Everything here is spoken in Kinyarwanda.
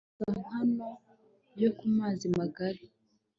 mu mpuzankano yo ku mazi magari